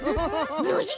ノジ？